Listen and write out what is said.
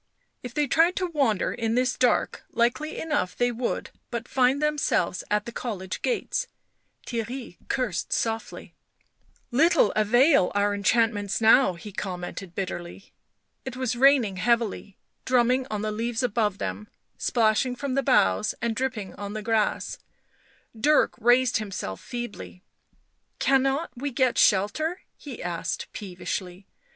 If they tried to wander in this dark likely enough they would but find them selves at the college gates; Theirry cursed softly. " Little avail our enchantments now," he commented bitterly. It was raining heavily, drumming on the leaves above them, splashing from the boughs and dripping on the grass; Dirk raised himself feebly. " Cannot we get shelter ?" he asked peevishly.